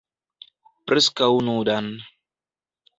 Preskaŭ nudan.